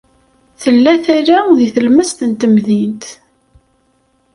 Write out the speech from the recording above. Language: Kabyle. Tella tala deg tlemmast n temdint.